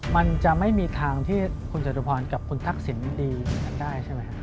มันจะไม่มีทางที่คุณจตุพรกับคุณทักษิณดีอย่างนั้นได้ใช่ไหมครับ